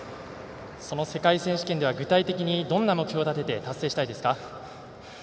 その世界選手権では具体的にどんな目標を立てて達成したいですか？